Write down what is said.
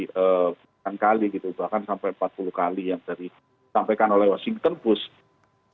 bukan kali gitu bahkan sampai empat puluh kali yang tadi disampaikan oleh washington push